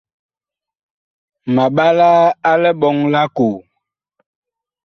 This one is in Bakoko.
Ma mɓalaa a liɓɔŋ lʼ akoo.